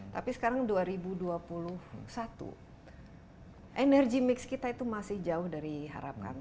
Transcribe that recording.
tapi sekarang dua ribu dua puluh satu energi mix kita itu masih jauh dari harapan